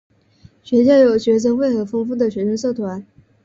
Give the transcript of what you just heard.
学校有学生会和丰富的学生社团。